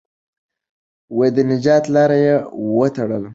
د نجات لاره یې وتړله.